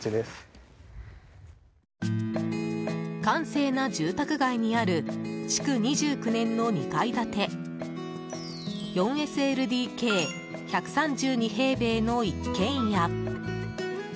閑静な住宅街にある築２９年の２階建て４ＳＬＤＫ、１３２平米の一軒家。